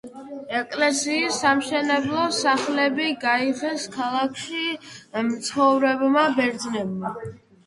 ეკლესიის სამშენებლო სახსრები გაიღეს ქალაქში მცხოვრებმა ბერძნებმა.